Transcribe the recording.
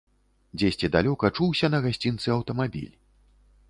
Дзесьці далёка чуўся на гасцінцы аўтамабіль.